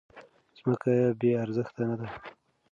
ځمکه بې ارزښته نه ده.